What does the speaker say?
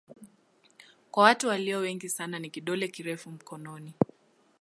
Kwa watu walio wengi sana ni kidole kirefu mkononi.